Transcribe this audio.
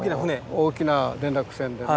大きな連絡船でね。